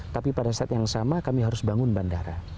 tapi pada saat yang sama kami harus bangun bandara